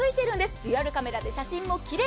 デュアルカメラで写真もきれい。